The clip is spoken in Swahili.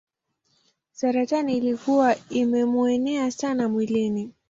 Saratani ilikuwa imemuenea sana mwilini.